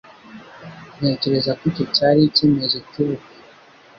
Ntekereza ko icyo cyari icyemezo cyubupfu.